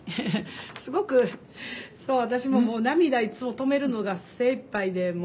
すごく私も涙いっつも止めるのが精いっぱいで。